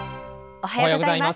おはようございます。